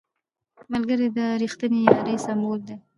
ملګری د رښتینې یارۍ سمبول دی